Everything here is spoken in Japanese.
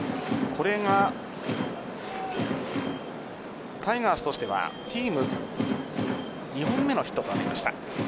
これがタイガースとしてはチーム２本目のヒットとなりました。